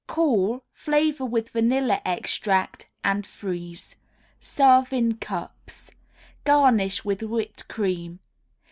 Cool, flavor with vanilla extract, and freeze. Serve in cups. Garnish with whipped cream.